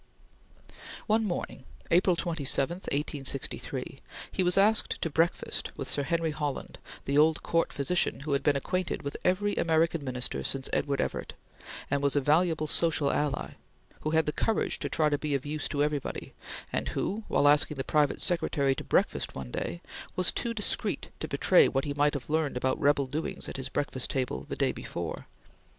One morning, April 27, 1863, he was asked to breakfast with Sir Henry Holland, the old Court physician who had been acquainted with every American Minister since Edward Everett, and was a valuable social ally, who had the courage to try to be of use to everybody, and who, while asking the private secretary to breakfast one day, was too discreet to betray what he might have learned about rebel doings at his breakfast table the day before.